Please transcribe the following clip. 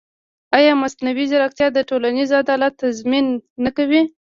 ایا مصنوعي ځیرکتیا د ټولنیز عدالت تضمین نه کوي؟